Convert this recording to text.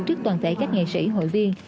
trước toàn thể các nghệ sĩ hội viên